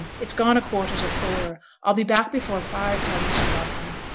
It's gone a quarter to four; I'll be back before five, tell Mr. Dawson.'